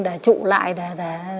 để trụ lại để